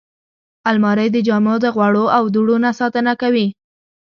الماري د جامو د غوړو او دوړو نه ساتنه کوي